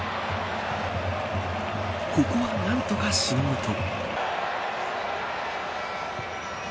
ここは何とかしのぐと。